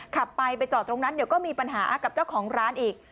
ขับไปไปจอดตรงนั้นเดี๋ยวก็มีปัญหากับเจ้าของร้านอีก